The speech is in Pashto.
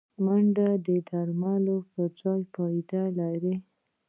منډه د درملو پر ځای فایده لري